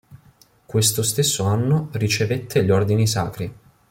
Questo stesso anno ricevette gli ordini sacri.